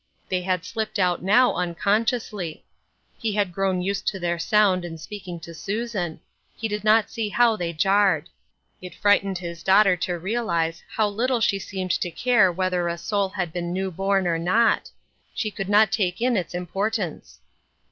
They had slipped out now, un " Bltter Sweetr 889 consciously. He had grown used to their sound in speaking to Susan ; he did not see how they jtirred. It frightened his daughter to realize how little she seemed to care whether a soul had been new born or not ; she could not take in its importance.